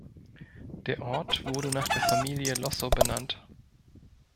Der Ort wurde nach der Familie Lossow benannt.